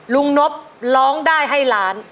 ลุงนพร้องได้ให้ร้าน